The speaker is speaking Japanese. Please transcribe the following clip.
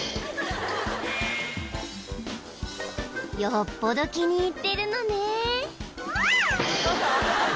［よっぽど気に入ってるのね］